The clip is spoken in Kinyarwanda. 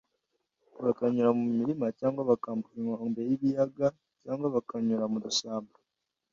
bakanyura mu mirima cyangwa bakambuka inkombe y’ibiyaga cyangwa bakanyura mu dushyamba.